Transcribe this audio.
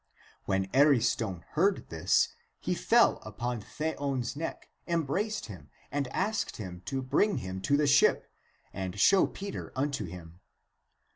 When Ariston heard this, he fell upon Theon's neck, em braced him and asked him to bring him to the ship and show Peter unto him.